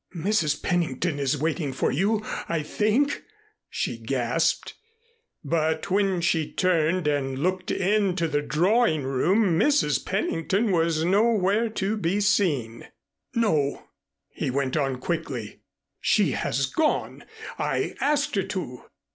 "Mrs. Pennington is waiting for you, I think," she gasped. But when she turned and looked into the drawing room Mrs. Pennington was nowhere to be seen. "No," he went on quickly. "She has gone. I asked her to.